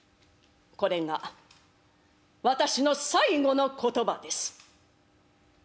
これが私の最後の言葉です。